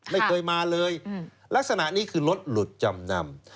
ไม่เคยมาเลยลักษณะนี้คือรถหลุดจำนำ